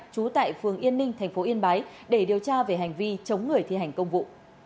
trú tại phường yên ninh thành phố yên bái để điều tra về hành vi chống người thi hành công vụ